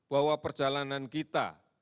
bahwa perjalanan kita